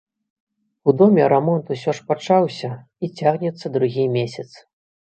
У доме рамонт усё ж пачаўся і цягнецца другі месяц.